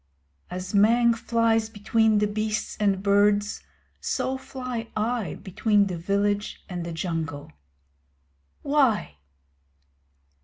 As Mang flies between the beasts and birds so fly I between the village and the Jungle. Why?